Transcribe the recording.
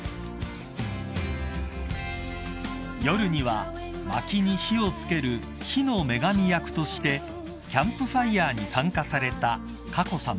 ［夜にはまきに火を付ける火の女神役としてキャンプファイアに参加された佳子さま］